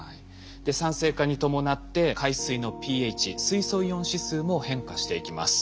酸性化に伴って海水のｐＨ水素イオン指数も変化していきます。